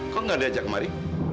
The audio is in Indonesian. kok nggak diajak kemari